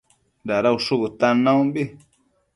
Dada ushu bëtan naumbi